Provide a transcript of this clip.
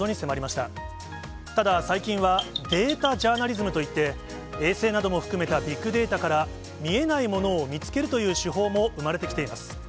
ただ、最近は、データジャーナリズムといって、衛星なども含めたビッグデータから、見えないものを見つけるという手法も生まれてきています。